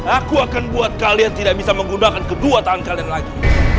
aku akan buat kalian tidak bisa menggunakan kedua tangan kalian lagi